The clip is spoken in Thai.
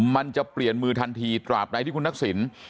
มันจะเปลี่ยนมือทันทีตราบใดที่คุณทักษิณ